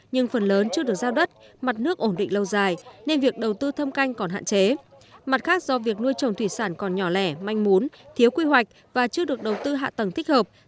nuôi trồng thủy sản còn nhỏ lẻ manh muốn thiếu quy hoạch và chưa được đầu tư hạ tầng thích hợp